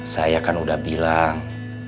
saya kan udah bilang